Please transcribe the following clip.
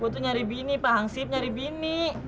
gue tuh nyari bini pak hangsip nyari bini